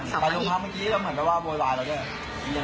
สองภาพิน